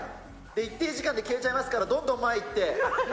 一定時間で消えちゃいますから、どんどん前へ行って。